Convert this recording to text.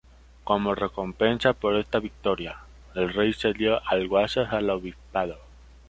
Como recompensa por esta victoria, el rey cedió Alguazas al obispado.